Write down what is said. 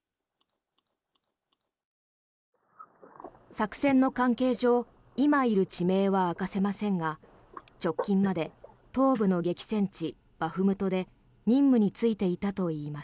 作戦の関係上今いる地名は明かせませんが直近まで東部の激戦地バフムトで任務に就いていたといいます。